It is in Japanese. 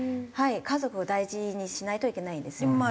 家族を大事にしないといけないんですよね。